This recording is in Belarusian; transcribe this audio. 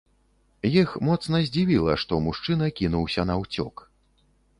Іх моцна здзівіла, што мужчына кінуўся наўцёк.